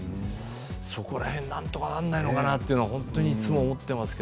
そこら辺、なんとかならないのかなっていつも思っています。